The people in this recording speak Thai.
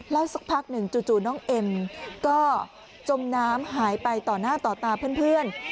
แล้วสักพักหนึ่งจู่น้องเอ็มก็จมน้ำหายไปต่อหน้าต่อตาเพื่อน